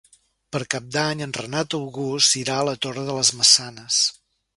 Per Cap d'Any en Renat August irà a la Torre de les Maçanes.